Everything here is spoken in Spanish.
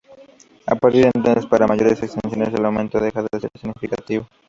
A partir de entonces, para mayores extensiones el aumento deja de ser significativo.